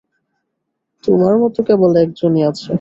তোমার মতো কেবল একজন-ই আছে।